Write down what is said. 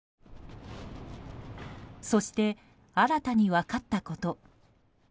そして、新たに分かったこと。